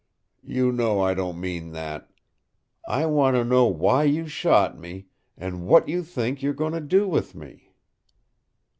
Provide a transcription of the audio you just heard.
"You know I don't mean that. I want to know why you shot me, and what you think you are going to do with me."